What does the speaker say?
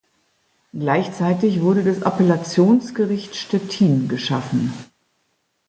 Gleichzeitig wurde das Appellationsgericht Stettin geschaffen.